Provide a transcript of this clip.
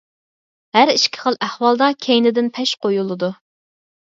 ھەر ئىككى خىل ئەھۋالدا كەينىدىن پەش قويۇلىدۇ.